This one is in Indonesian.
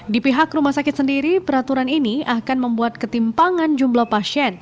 di pihak rumah sakit sendiri peraturan ini akan membuat ketimpangan jumlah pasien